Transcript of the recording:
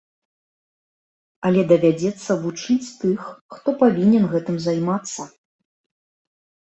Але давядзецца вучыць тых, хто павінен гэтым займацца.